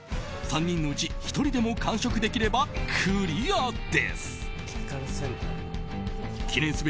３人のうち１人でも完食できればクリアです。